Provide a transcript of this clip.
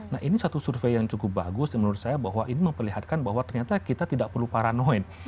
nah ini satu survei yang cukup bagus menurut saya bahwa ini memperlihatkan bahwa ternyata kita tidak perlu paranoid